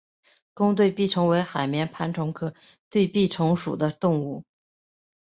弓对臂虫为海绵盘虫科对臂虫属的动物。